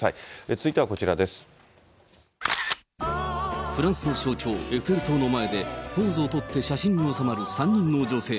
続いてはこちらフランスの象徴、エッフェル塔の前でポーズを取って写真に収まる３人の女性。